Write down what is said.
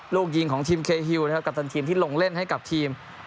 ลูกยิงของทีมเคฮิวนะครับกัปตันทีมที่ลงเล่นให้กับทีม